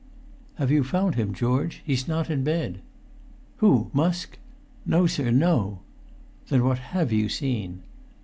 "Have you found him, George? He's not in bed!" "Who—Musk? No, sir, no!" "Then what have you seen?"